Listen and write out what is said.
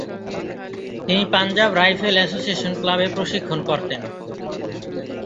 তিনি Punjab Rifle Association ক্লাবে প্রশিক্ষণ করতেন।